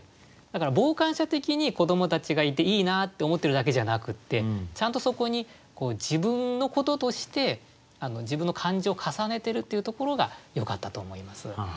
だから傍観者的に子どもたちがいていいなって思ってるだけじゃなくってちゃんとそこに自分のこととして自分の感情を重ねてるっていうところがよかったと思います。